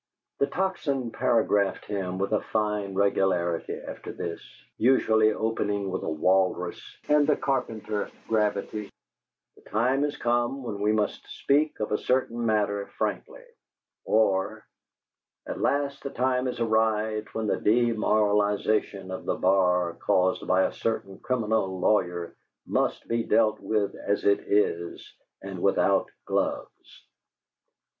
The Tocsin paragraphed him with a fine regularity after this, usually opening with a Walrus and the Carpenter gravity: "The time has come when we must speak of a certain matter frankly," or, "At last the time has arrived when the demoralization of the bar caused by a certain criminal lawyer must be dealt with as it is and without gloves."